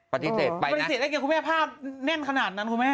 ปฏิเสธได้เพียงคุณแม่ภาพแน่นขนาดนั้นคุณแม่